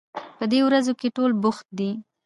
په دې ورځو کې ټول بوخت دي